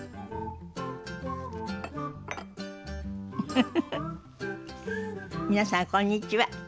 フフフフ皆さんこんにちは。